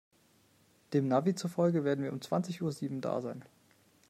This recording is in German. Dem Navi zufolge werden wir um zwanzig Uhr sieben da sein.